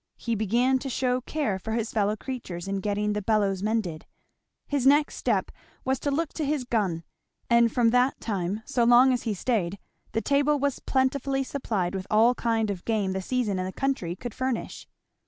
He began to shew care for his fellow creatures in getting the bellows mended; his next step was to look to his gun; and from that time so long as he staid the table was plentifully supplied with all kinds of game the season and the country could furnish.